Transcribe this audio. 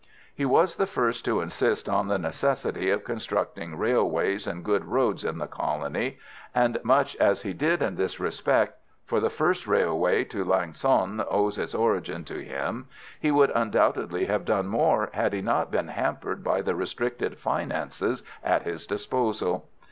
He was the first to insist on the necessity of constructing railways and good roads in the colony, and, much as he did in this respect for the first railway to Lang son owes its origin to him he would undoubtedly have done more had he not been hampered by the restricted finances at his disposal.